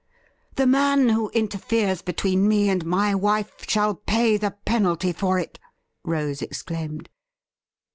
' The man who interferes between me and my wife shall pay the penalty for it !' Rose exclaimed.